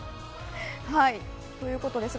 ということですが。